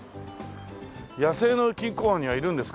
野生の錦江湾にはいるんですか？